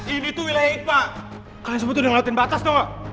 ini tuh wilayah ikhlas kalian semua udah ngelakuin batas dong